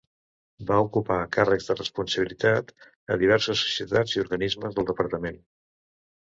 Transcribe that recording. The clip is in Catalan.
Va ocupar càrrecs de responsabilitat a diverses societats i organismes del Departament.